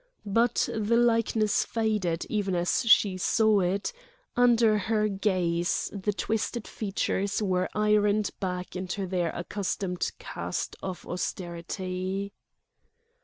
But the likeness faded even as she saw it, under her gaze the twisted features were ironed back into their accustomed cast of austerity.